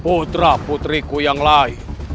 putra putriku yang lain